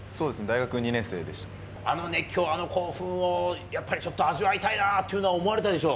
大学２年生でしあの熱狂、あの興奮をやっぱり、ちょっと味わいたいなっていうのは思われたでしょ。